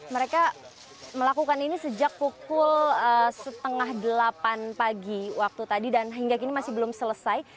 mereka melakukan ini sejak pukul setengah delapan pagi waktu tadi dan hingga kini masih belum selesai